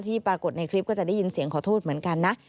ปรากฏในคลิปก็จะได้ยินเสียงขอโทษเหมือนกันนะ